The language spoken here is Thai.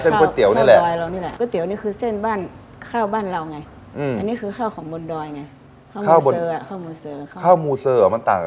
นี่คือเส้นปลาปลาทำจาก